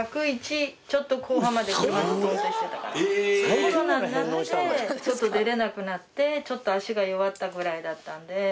コロナになってちょっと出られなくなってちょっと足が弱ったくらいだったんで。